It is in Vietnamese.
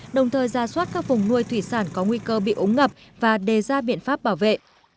đồng thời ra soát các vùng nuôi thủy sản có nguy cơ bị ống ngập và đề ra biện pháp bảo vệ